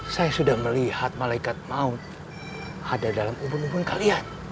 saya sudah melihat malaikat maut ada dalam ubur ubur kalian